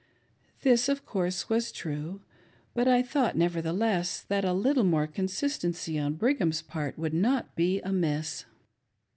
This, of course, was true, but I thought, nevertheless, that a little more consistency on Brigham's part would not be amiss.